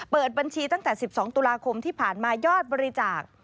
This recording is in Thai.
เปิดบัญชีตั้งแต่๑๒ตุลาคมที่ผ่านมายอดบริจาค